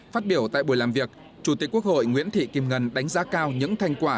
phát biểu tại buổi làm việc chủ tịch quốc hội nguyễn thị kim ngân đánh giá cao những thành quả